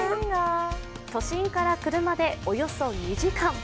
都心から車でおよそ２時間。